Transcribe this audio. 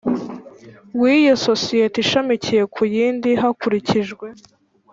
W iyo sosiyete ishamikiye ku yindi hakurikijwe